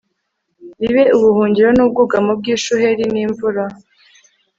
ribe ubuhungiro n'ubwugamo bw'ishuheri n'imvura